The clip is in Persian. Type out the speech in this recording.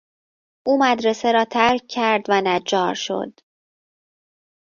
او مدرسه را ترک کرد و نجار شد.